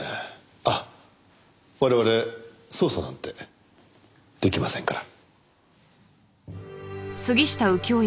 あっ我々捜査なんて出来ませんから。